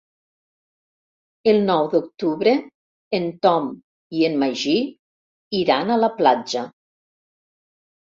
El nou d'octubre en Tom i en Magí iran a la platja.